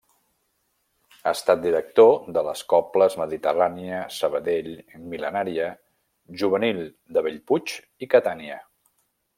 Ha estat director de les cobles Mediterrània, Sabadell, Mil·lenària, Juvenil de Bellpuig i Catània.